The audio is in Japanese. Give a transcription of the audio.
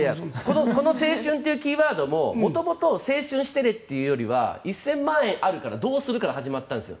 この青春っていうキーワードも元々青春してねっていうよりは１０００万円あるからどうする？から始まったんですよ。